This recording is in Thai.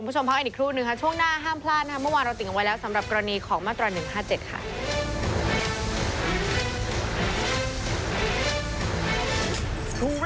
คุณผู้ชมพักอันอีกครู่หนึ่งค่ะ